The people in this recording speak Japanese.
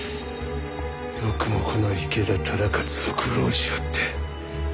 よくもこの池田忠勝を愚弄しおって。